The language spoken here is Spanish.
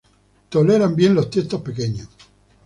Toleran bien los tiestos pequeños.